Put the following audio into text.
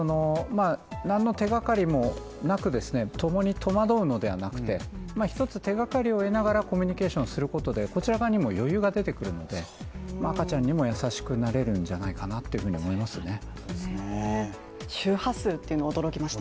何の手がかりもなく、共に戸惑うのではなくて、一つ手がかりを得ながらコミュニケーションすることでこちら側にも余裕が出てくるので赤ちゃんにも優しくなれるんじゃないかなと思いますね。